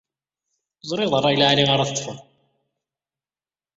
Ẓriɣ d rray n lɛali ara teṭṭfeḍ.